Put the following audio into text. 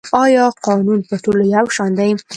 آیا قانون په ټولو یو شان دی؟